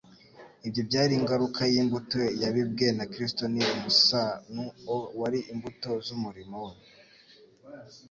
ibyo byari ingaruka y'imbuto yabibwe na Kristo, ni umusanu-o wari imbuto z'umurimo we.